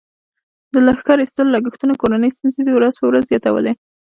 د لښکر ایستلو لګښتونو کورنۍ ستونزې ورځ په ورځ زیاتولې.